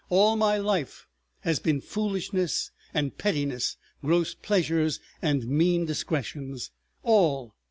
All my life has been foolishness and pettiness, gross pleasures and mean discretions—all.